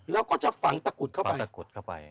แล้วก็จะฝังตะกุฎเข้าไป